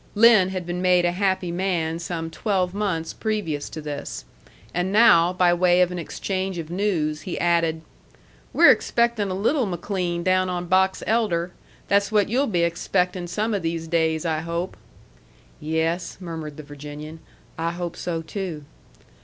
Lin had been made a happy man some twelve months previous to this. And now, by way of an exchange of news, he added: "We're expectin' a little McLean down on Box Elder. That's what you'll be expectin' some of these days, I hope." "Yes," murmured the Virginian, "I hope so too."